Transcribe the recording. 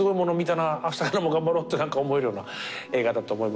「明日からも頑張ろう」って思えるような映画だと思います。